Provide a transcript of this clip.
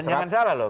dan jangan salah loh